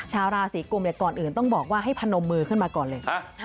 ชาวราศีกุมก่อนอื่นต้องบอกว่าให้พนมมือขึ้นมาก่อนเลย